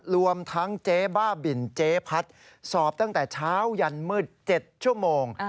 รวมทั้งเจ๊บ้าบินเจ๊พัดสอบตั้งแต่เช้ายันมืด๗ชั่วโมง